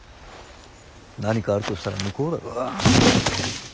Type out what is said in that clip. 何かあるとしたら向こうだろ。